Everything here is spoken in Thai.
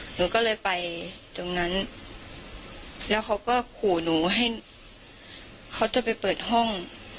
หนูก็เลยไปตรงนั้นแล้วเขาก็ขู่หนูให้เขาจะไปเปิดห้อง